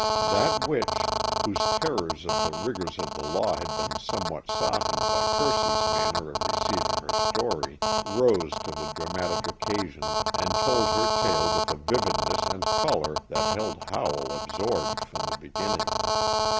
That witch, whose terrors of the rigors of the law had been somewhat softened by Percy's manner of receiving her story, rose to the dramatic occasion and told her tale with a vividness and color that held Howell absorbed from the beginning.